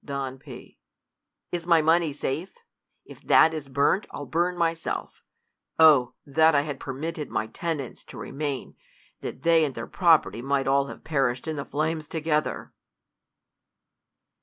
Don P, Is my money safe ? If that is burnt, I'll burn myself. Oh that I had permitted my tenants ta remain, that they and their property might all have perished in the flames together